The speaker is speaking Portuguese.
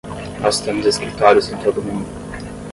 Nós temos escritórios em todo o mundo.